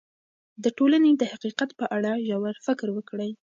د ټولنې د حقیقت په اړه ژور فکر وکړئ.